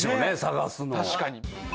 確かに。